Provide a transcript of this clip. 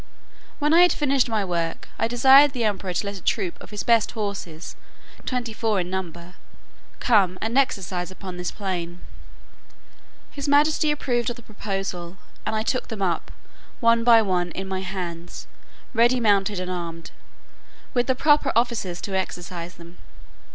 When I had finished my work, I desired the emperor to let a troop of his best horses twenty four in number, come and exercise upon this plain. His majesty approved of the proposal, and I took them up, one by one, in my hands, ready mounted and armed, with the proper officers to exercise them.